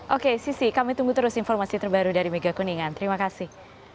oke sisi kami tunggu terus informasi terbaru dari mega kuningan terima kasih